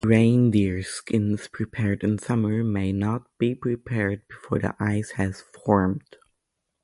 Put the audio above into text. Reindeer-skins prepared in summer may not be prepared before the ice has formed.